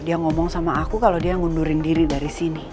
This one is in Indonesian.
dia ngomong sama aku kalau dia ngundurin diri dari sini